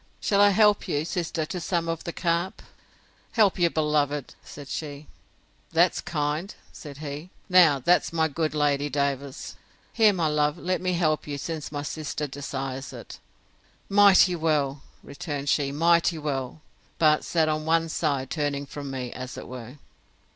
Shall I help you, sister, to some of the carp? Help your beloved! said she. That's kind! said he.—Now, that's my good Lady Davers! Here, my love, let me help you, since my sister desires it.—Mighty well, returned she, mighty well!—But sat on one side, turning from me, as it were.